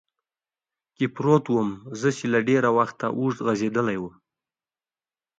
کې پروت ووم، زه چې له ډېر وخته اوږد غځېدلی ووم.